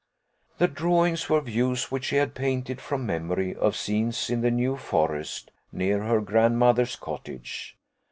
The drawings were views which she had painted from memory, of scenes in the New Forest, near her grandmother's cottage.